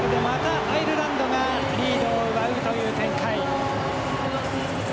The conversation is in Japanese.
アイルランドがリードを奪うという展開。